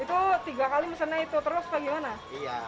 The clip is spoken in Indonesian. itu tiga kali mesennya itu terus apa gimana